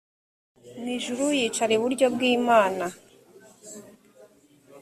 mu ijuru yicara iburyo bw imana